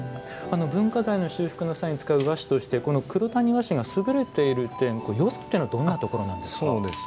文化財の修復の際に使う和紙として黒谷和紙が優れている点よさっていうのはどんなところなんですか？